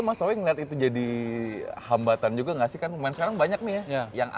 mas howie ngelihat itu jadi hambatan juga gak sih kan kemungkinan sekarang banyak nih ya yang aktif juga nih